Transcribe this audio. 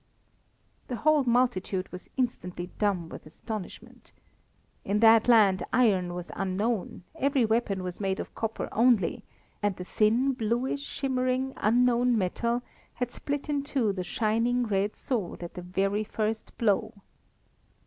The whole multitude was instantly dumb with astonishment. In that land iron was unknown, every weapon was made of copper only, and the thin, bluish shimmering unknown metal had split in two the shining red sword at the very first blow.